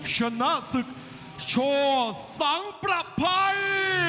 ชนะศึกโชว์สังประภัย